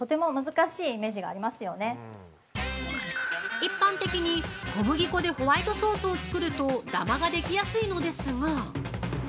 一般的に小麦粉でホワイトソースを作るとダマができやすいのですが。